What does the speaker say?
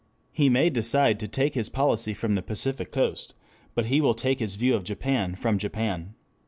He may decide to take his policy from the Pacific Coast, but he will take his view of Japan from Japan.